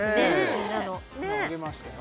みんなの挙げましたよ